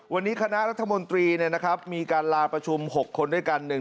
วันนี้คณะรัฐมนตรีมีการลาประชุม๖คนด้วยกัน